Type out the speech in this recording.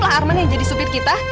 arman yang jadi supir kita